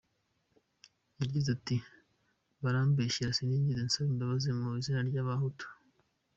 Yagize ati “Barambeshyera sinigeze nsaba imbabazi mu izina ry’Abahutu.